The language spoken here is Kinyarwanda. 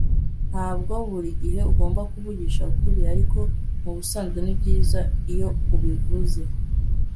ntabwo buri gihe ugomba kuvugisha ukuri, ariko mubisanzwe nibyiza iyo ubivuze